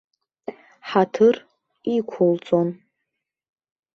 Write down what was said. Ҳаҭыр иқәылҵон.